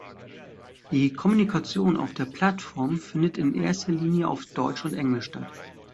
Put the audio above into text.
Die Kommunikation auf der Plattform findet in erster Linie auf Deutsch und Englisch statt.